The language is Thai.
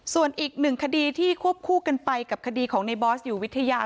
ส่วนอีกหนึ่งคดีที่ควบคู่กันไปกับคดีของในบอสอยู่วิทยา